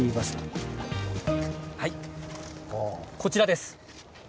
はいこちらです。